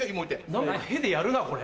何か屁でやるなこれ。